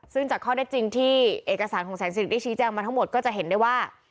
ซึ่งจากข้อได้จริงที่เอกสารของแสนสิริได้ชี้แจงมาทั้งหมดก็จะเห็นได้ว่า